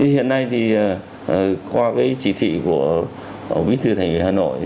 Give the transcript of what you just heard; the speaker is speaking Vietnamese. hiện nay thì qua cái chỉ thị của bí thư thành viên hà nội